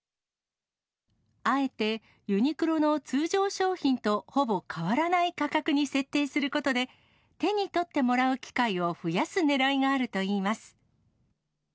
あえてユニクロの通常商品とほぼ変わらない価格に設定することで、手に取ってもらう機会を増やすねらいがあるといいます。